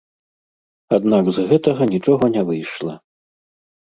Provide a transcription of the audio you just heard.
Аднак з гэтага нічога не выйшла.